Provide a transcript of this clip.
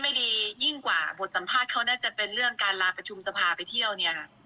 มันไม่มีข้ออ้างใดที่จะมาบอกว่าเป็นการจองล่วงหน้าอะไรต่างเนี่ย